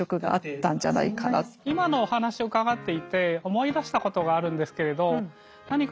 今のお話を伺っていて思い出したことがあるんですけれど何かよく行くお弁当屋さんで